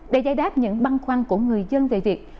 để giải đáp những băn khoăn của người dân về việc